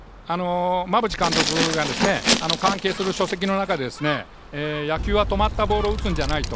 馬淵監督が関係する書籍の中で野球は止まったボールを打つんじゃないと。